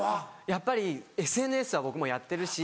やっぱりＳＮＳは僕もやってるし。